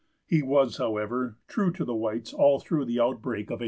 He was, however, true to the whites all through the outbreak of 1862.